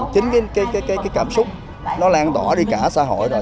chính cái cảm xúc nó lan tỏa đi cả xã hội rồi